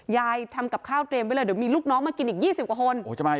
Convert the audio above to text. ยายทำกับข้าวเตรียมไว้เลยเดี๋ยวมีลูกน้องมากินอีก๒๐กว่าคน